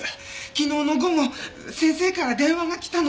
昨日の午後先生から電話が来たの。